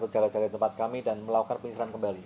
jaga jarak tempat kami dan melakukan penyisiran kembali